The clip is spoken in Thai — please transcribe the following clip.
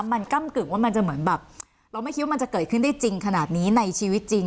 มันก้ำกึ่งว่ามันจะเหมือนแบบเราไม่คิดว่ามันจะเกิดขึ้นได้จริงขนาดนี้ในชีวิตจริง